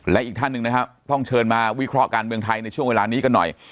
และอีกท่านหนึ่งนะครับต้องเชิญมาวิเคราะห์การเมืองไทยในช่วงเวลานี้กันหน่อย